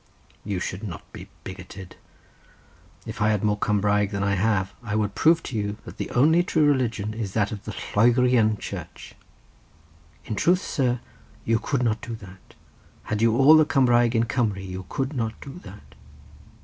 "You should not be bigoted. If I had more Cumraeg than I have, I would prove to you that the only true religion is that of the Lloegrian Church." "In truth, sir, you could not do that; had you all the Cumraeg in Cumru you could not do that."